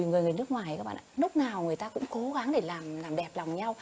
người nước ngoài lúc nào người ta cũng cố gắng để làm đẹp lòng nhau